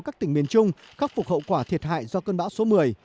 các tỉnh miền trung khắc phục hậu quả thiệt hại do cơn bão số một mươi